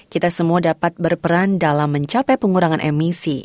kita semua dapat berperan dalam mencapai pengurangan emisi